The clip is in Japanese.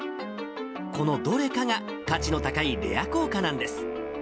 このどれかが価値の高いレア硬貨なんです。